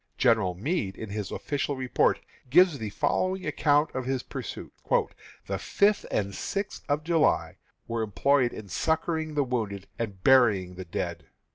General Meade, in his official report, gives the following account of his pursuit: "The fifth and sixth of July were employed in succoring the wounded and burying the dead.